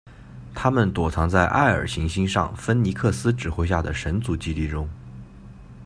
他们躲藏在艾尔行星上芬尼克斯指挥下的神族基地中。